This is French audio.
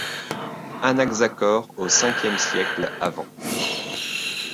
Anaxagore au Ve siècle av.